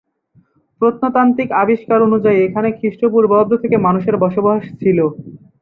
প্রত্নতাত্ত্বিক আবিষ্কার অনুযায়ী এখানে খ্রিষ্টপূর্বাব্দ থেকে মানুষের বসবাস ছিল।